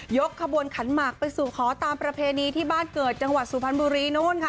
ขบวนขันหมากไปสู่ขอตามประเพณีที่บ้านเกิดจังหวัดสุพรรณบุรีนู้นค่ะ